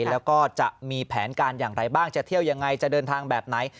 แล้วก็จะมีแผนการอย่างไรบ้างจะเที่ยวยังไงจะเดินทางแบบไหน